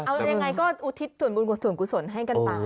เอายังไงก็อุทิศส่วนบุญกุศส่วนกุศลให้กันไป